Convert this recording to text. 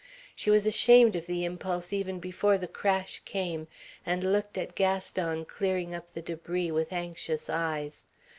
She was ashamed of the impulse even before the crash came, and looked at Gaston clearing up the debris with anxious eyes.